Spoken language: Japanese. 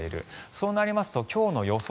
そうなりますと今日の予想